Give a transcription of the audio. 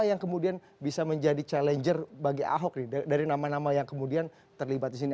apa yang kemudian bisa menjadi challenger bagi ahok dari nama nama yang kemudian terlibat di sini